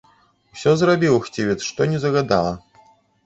Усё зрабіў хцівец, што ні загадала.